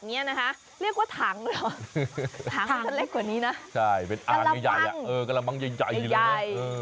เรียกว่าทางเหรอถ้าฝั่งตั้งเล็กก่อนนี้น่ะฉายจะเลย